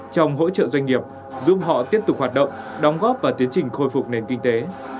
trong hỗ trợ doanh nghiệp giúp họ tiếp tục hoạt động đóng góp và tiến trình khôi phục nền kinh tế